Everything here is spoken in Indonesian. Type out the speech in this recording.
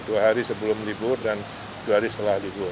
dua hari sebelum ibu hari setelah libur